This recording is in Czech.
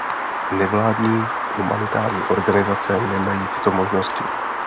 Nevládní humanitární organizace nemají tyto možnosti.